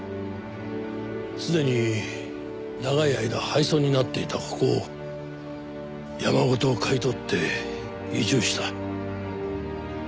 すでに長い間廃村になっていたここを山ごと買い取って移住した。